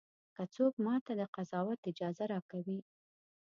که څوک ماته د قضاوت اجازه راکوي.